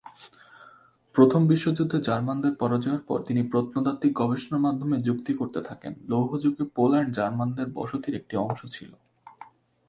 প্রথম বিশ্বযুদ্ধে জার্মানদের পরাজয়ের পর তিনি প্রত্নতাত্ত্বিক গবেষণার মাধ্যমে যুক্তি করতে থাকেন, লৌহ যুগে পোল্যান্ড জার্মানদের বসতির একটি অংশ ছিল।